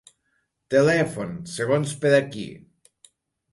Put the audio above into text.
Telèfon, segons per a qui.